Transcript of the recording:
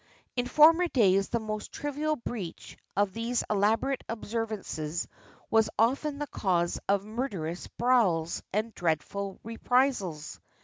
... In former days the most trivial breach of these elaborate observances was often the cause of mur derous brawls and dreadful reprisals.